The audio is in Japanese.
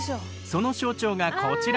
その象徴がこちら。